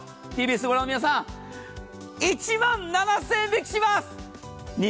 ＴＢＳを御覧の皆さん、１万７０００円引きします。